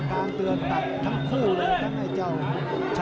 นี่คือยอดมวยแท้รักที่ตรงนี้ครับ